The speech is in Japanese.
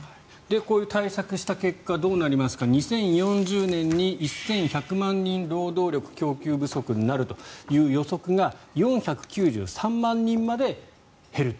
こういう対策をした結果どうなりますか、２０４０年に１１００万人労働力が供給不足になるという予測が４９３万人まで減ると。